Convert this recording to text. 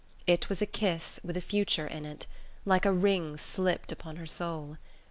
It was a kiss with a future in it: like a ring slipped upon her soul.